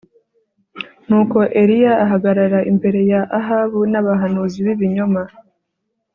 Nuko Eliya ahagarara imbere ya Ahabu nabahanuzi bibinyoma